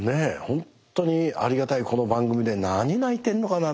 本当にありがたいこの番組で何泣いてんのかな。